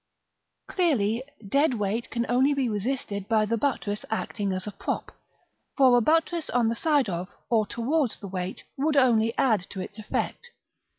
Clearly, dead weight can only be resisted by the buttress acting as a prop; for a buttress on the side of, or towards the weight, would only add to its effect.